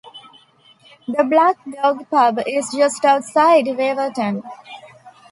The Black Dog pub is just outside Waverton.